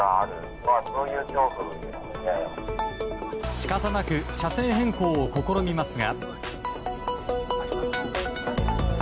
仕方なく車線変更を試みますが。